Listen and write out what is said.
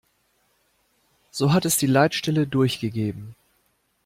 So hat es die Leitstelle durchgegeben.